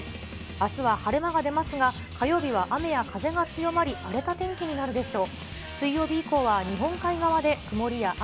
あすは晴れ間が出ますが、火曜日は雨や風が強まり、荒れた天気になるでしょう。